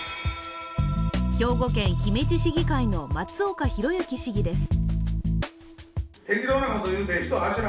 兵庫県姫路市議会の松岡廣幸市議です。